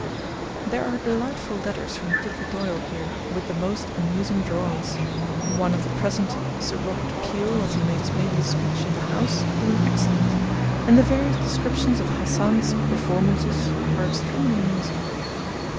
There are delightful letters from Dicky Doyle here, with the most amusing drawings, one of the present Sir Robert Peel as he made his maiden speech in the House being excellent; and the various descriptions of Hassan's performances are extremely amusing.